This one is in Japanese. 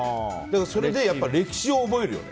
それで歴史を覚えるよね。